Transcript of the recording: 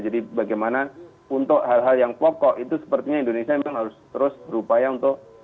jadi bagaimana untuk hal hal yang pokok itu sepertinya indonesia memang harus terus berupaya untuk